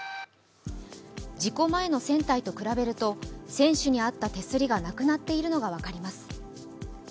事故前の船体と比べると船首にあった手すりがなくなっているのが分かります。